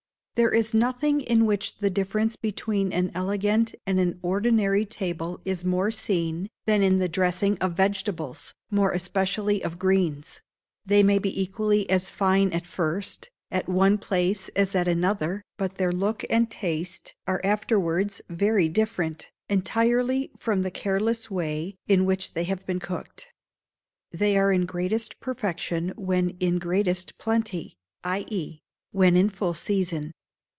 There is nothing in which the difference between an elegant and an ordinary table is more seen, than in the dressing of vegetables, more especially of greens; they may be equally as fine at first, at one place as at another, but their look and taste are afterwards very different, entirely from the careless way in which they have been cooked. They are in greatest perfection when in greatest plenty, i.e., when in full season.